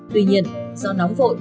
tuy nhiên do nóng vội